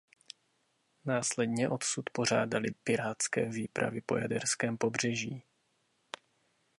Následně odsud pořádali pirátské výpravy po jaderském pobřeží.